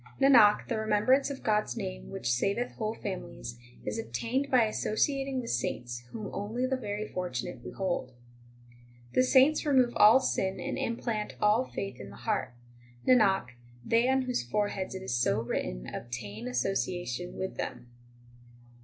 21 Nanak, the remembrance of God s name which saveth whole families, Is obtained by associating with saints, whom only the very fortunate behold. 22 The saints remove all sin and implant all faith in the heart ; Nanak, they on whose foreheads it is so written obtain association with them.